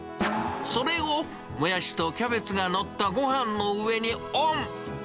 それをもやしとキャベツが載ったごはんの上にオン。